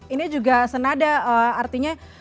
ini juga senada artinya